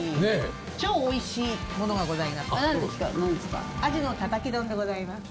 超おいしいものがございます。